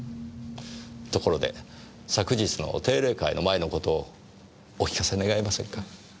ところで昨日の定例会の前のことをお聞かせ願えませんか？